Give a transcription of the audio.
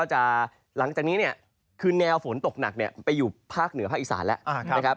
หลังจากนี้เนี่ยคือแนวฝนตกหนักไปอยู่ภาคเหนือภาคอีสานแล้วนะครับ